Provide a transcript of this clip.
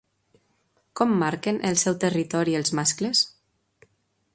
Com marquen el seu territori els mascles?